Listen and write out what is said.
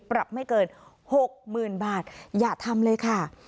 ปรับไม่เกิน๖๐๐๐บาทอย่าทำเลยค่ะ